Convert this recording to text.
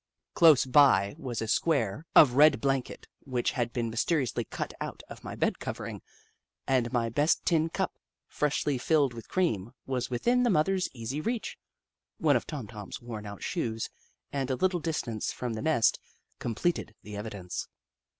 Close by was a square of red 14 The Book of Clever Beasts blanket, which had been mysteriously cut out of my bed covering, and my best tin cup, freshly filled with cream, was within the moth er's easy reach. One of Tom Tom's worn out shoes, at a little distance from the nest, com pleted the evidence.